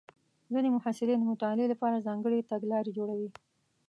ځینې محصلین د مطالعې لپاره ځانګړې تګلارې جوړوي.